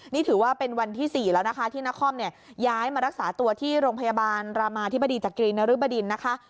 นี่ถือว่าเป็นวันที่๔แล้วนะคะที่นครเนี่ยย้ายมารักษาตัวที่โรงพยาบาลรามาธิบดีจักรีนริบดินนะคะ